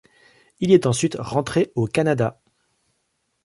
Il est ensuite rentré au Canada.